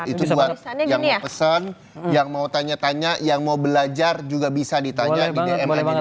itu buat yang mau pesen yang mau tanya tanya yang mau belajar juga bisa ditanya di dm aja